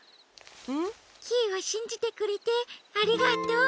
ん？キイをしんじてくれてありがとう。